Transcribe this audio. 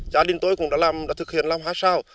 cha đình tôi cũng đã thực hiện làm hai sao